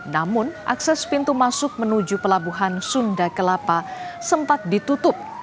namun akses pintu masuk menuju pelabuhan sunda kelapa sempat ditutup